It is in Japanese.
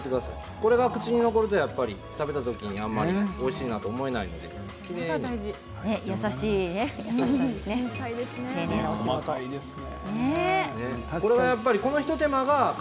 これが口に残ると食べたときにあまりおいしいなと大事ですね。